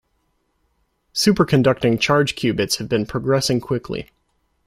Superconducting charge qubits have been progressing quickly.